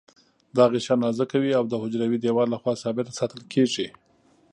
دا غشا نازکه وي او د حجروي دیوال له خوا ثابته ساتل کیږي.